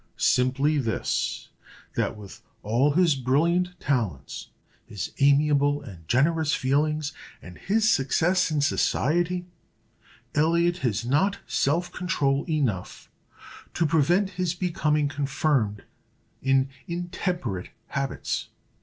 "Simply this: that with all his brilliant talents, his amiable and generous feelings, and his success in society, Elliot has not self control enough to prevent his becoming confirmed in intemperate habits."